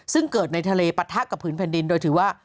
ซึ่งเกิดในทะเลปะทะกับผืนแผ่นดินโดยถือว่า